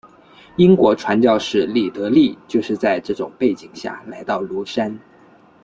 英国传教士李德立就是在这种背景下来到庐山。